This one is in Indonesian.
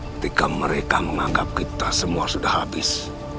ketika mereka menganggap kita semua sudah habis